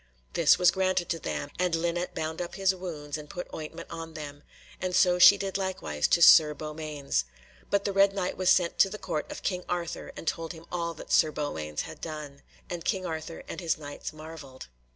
This was granted to them, and Linet bound up his wounds and put ointment on them, and so she did likewise to Sir Beaumains. But the Red Knight was sent to the Court of King Arthur, and told him all that Sir Beaumains had done. And King Arthur and his Knights marvelled.